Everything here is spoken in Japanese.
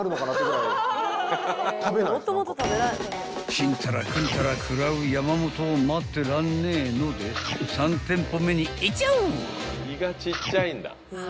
［ちんたらくんたら食らう山本を待ってらんねえので３店舗目にいっちゃう］